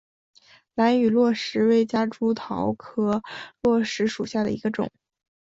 兰屿络石为夹竹桃科络石属下的一个种。